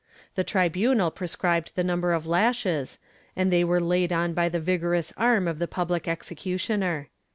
The tribunal prescribed the number of lashes and they were laid on by the vigorous arm of the public executioner.